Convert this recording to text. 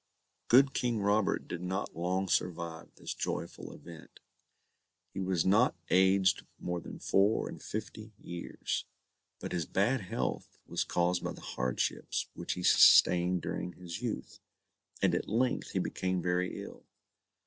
Good King Robert did not long survive this joyful event. He was not aged more than four and fifty years, but his bad health was caused by the hardships which he sustained during his youth, and at length he became very ill.